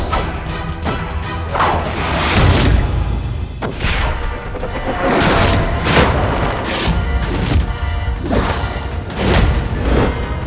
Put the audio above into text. hancurkanlah gitu aja